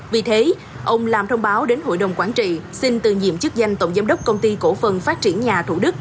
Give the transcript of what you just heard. vì thế ông làm thông báo đến hội đồng quản trị xin tự nhiệm chức danh tổng giám đốc công ty cổ phần phát triển nhà thủ đức